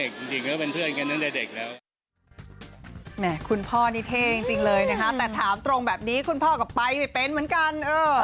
จริงก็เป็นเพื่อนกันตั้งแต่เด็กแล้ว